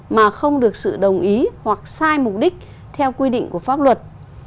mà không được sự đồng ý hoặc sai mục đích theo quy định của pháp luật